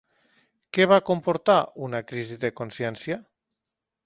Què va comportar una crisi de consciència?